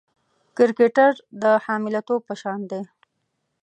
کرکټر د حامله توب په شان دی.